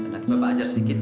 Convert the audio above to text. nanti bapak ajar sedikit